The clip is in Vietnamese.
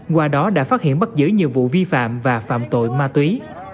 qua đó đã phát hiện bắt giữ nhiều vụ vi phạm và phạm tội ma túy